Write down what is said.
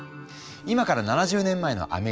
今から７０年前のアメリカ。